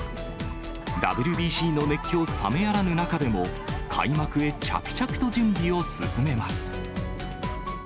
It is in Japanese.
ＷＢＣの熱狂冷めやらぬ中でも、開幕へ着々と準備を進めます。